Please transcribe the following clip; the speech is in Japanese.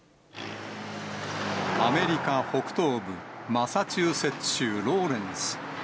アメリカ北東部マサチューセッツ州ローレンス。